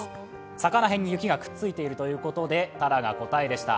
さかなへんに雪がくっついているということで鱈でした。